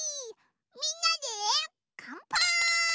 みんなでかんぱーい！